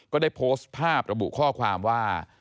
ก็ได้โพสต์ภาพระบุข้อความว่า